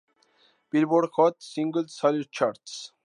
Billboard Hot Singles Sales charts.